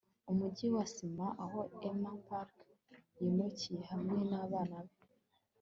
umujyi wa cement, aho emma parker yimukiye hamwe nabana be